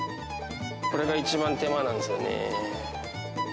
これが一番手間なんですよね。